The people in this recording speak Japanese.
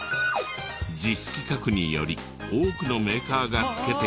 ＪＩＳ規格により多くのメーカーが付けているそうです。